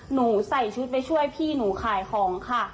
หนูใส่ชุดไปช่วยพี่หนูขายของค่ะ